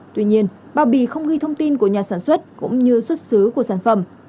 tuy nhiên bao bì không ghi thông tin của nhà sản xuất cũng như xuất xứ của sản phẩm